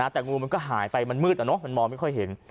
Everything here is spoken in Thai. แต่งูก็หายไปมันมืดแล้วเนาะมันมองไม่ค่อยเห็น